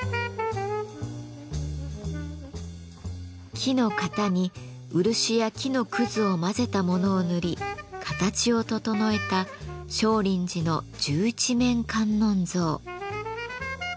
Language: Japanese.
木の型に漆や木のくずを混ぜたものを塗り形を整えた聖林寺の十一面観音像。